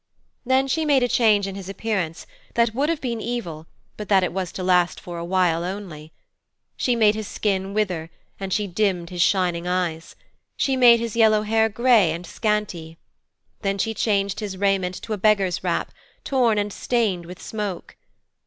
Then she made a change in his appearance that would have been evil but that it was to last for a while only. She made his skin wither, and she dimmed his shining eyes. She made his yellow hair grey and scanty. Then she changed his raiment to a beggar's wrap, torn and stained with smoke.